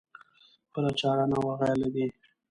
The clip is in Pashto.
بله چاره نه وه غیر له دې.